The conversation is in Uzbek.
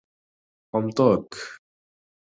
— Xomtok…